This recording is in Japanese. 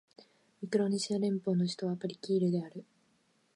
ミクロネシア連邦の首都はパリキールである